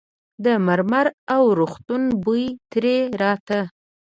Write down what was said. د مرمر او روغتون بوی ترې راته.